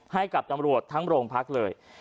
ให้กับตำรวจทั้งโรงพักเลย